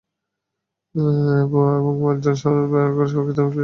ভুয়া এবং জাল সনদ ব্যবহার করে প্রকৃত মুক্তিযোদ্ধাদের ছোট করা হচ্ছে।